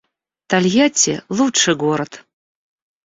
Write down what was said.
Тольятти — лучший город